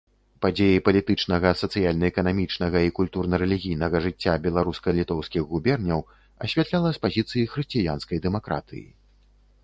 Падзеі палітычнага, сацыяльна-эканамічнага і культурна-рэлігійнага жыцця беларуска-літоўскіх губерняў асвятляла з пазіцыі хрысціянскай дэмакратыі.